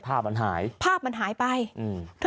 ภาพมันหายภาพมันหายไปอืม